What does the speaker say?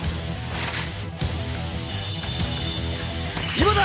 今だ！